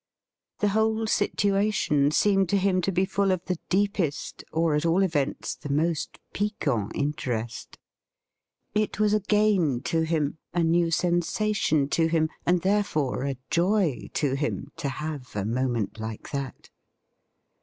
The whole situation seemed to him to be full of the deepest, or at all events the most piquant, interest. It was a gain to him, a new sensation to him, and therefore a joy to him, to hav« a moment like that.